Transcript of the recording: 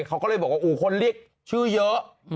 เขาก็เลยบอกว่าอู๋คนลิกชื่อเยอะ